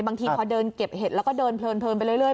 บางทีพอเดินเก็บเห็ดแล้วก็เดินเพลินไปเรื่อย